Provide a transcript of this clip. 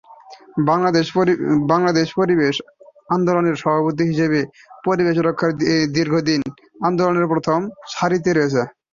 বাংলাদেশ পরিবেশ আন্দোলনের সহসভাপতি হিসেবে পরিবেশ রক্ষায় দীর্ঘদিন আন্দোলনের প্রথম সারিতে রয়েছেন।